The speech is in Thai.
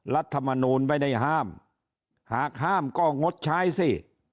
รัฐมนูลไม่ได้ห้ามหากห้ามก็งดใช้สิ